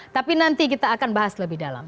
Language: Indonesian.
tapi nanti kita akan bahas lebih dalam